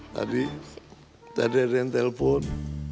tadi ada yang telpon